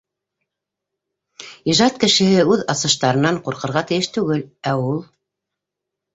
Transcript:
Ижад кешеһе үҙ асыштарынан ҡурҡырға тейеш түгел, ә ул...